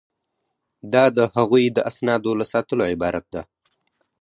دا د هغوی د اسنادو له ساتلو عبارت ده.